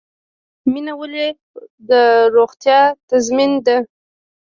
مڼه ولې د روغتیا تضمین ده؟